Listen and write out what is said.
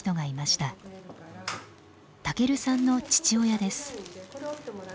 たけるさんの父親です。